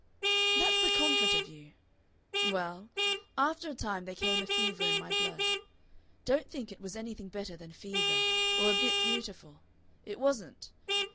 "That's the comfort of you. Well, after a time there came a fever in my blood. Don't think it was anything better than fever or a bit beautiful. It wasn't.